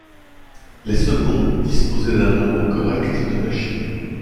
Les seconds disposaient d'un nombre correct de machines.